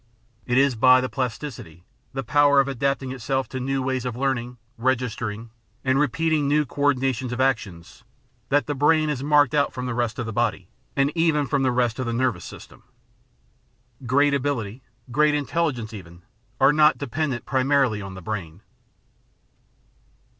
It is by the plasticity, the power of adapting itself to new ways of learning, registering, and re peating new co ordinations of actions, that the brain is marked out from the rest of the body and even from the rest of the nervous system. Great ability, great intelligence even, are not dependent primarily on the brain.